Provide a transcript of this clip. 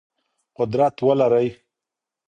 قدرت ولرئ.